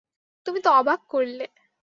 তুমি তো অবাক করলে!